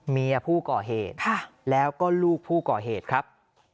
เมียผู้ก่อเหตุแล้วก็ลูกผู้ก่อเหตุครับ